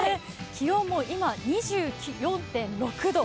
気温も今、２４．６度。